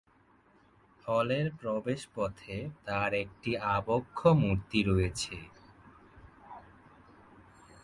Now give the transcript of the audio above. হলের প্রবেশ পথে তার একটি আবক্ষ মূর্তি রয়েছে।